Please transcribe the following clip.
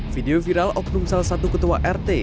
video viral oknum salah satu ketua rt